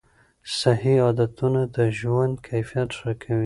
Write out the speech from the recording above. صحي عادتونه د ژوند کیفیت ښه کوي.